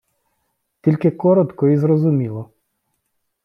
Тільки коротко і зрозуміло!